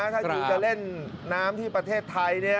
ถ้าคิวจะเล่นน้ำที่ประเทศไทย